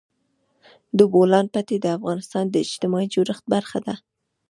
د بولان پټي د افغانستان د اجتماعي جوړښت برخه ده.